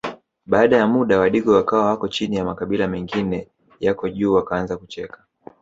Baada ya muda wadigo wakawa wako chini makabila mengine yako juu Wakaanza kucheka